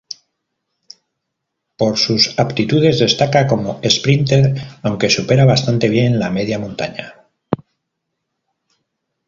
Por sus aptitudes destaca como esprínter, aunque supera bastante bien la media montaña.